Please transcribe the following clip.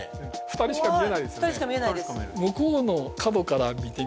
２人しか見えないですよね